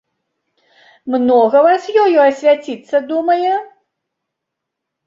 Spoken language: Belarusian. Многа вас ёю асвяціцца думае?